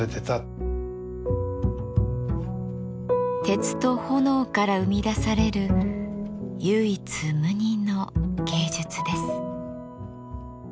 鉄と炎から生み出される唯一無二の芸術です。